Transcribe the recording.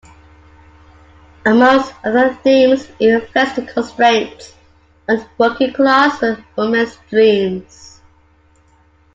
Amongst other themes, it reflects the constraints on working class women's dreams.